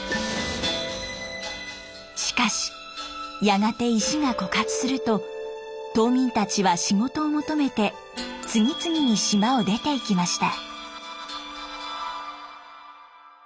しかしやがて石が枯渇すると島民たちは仕事を求めて次々に島を出ていきました。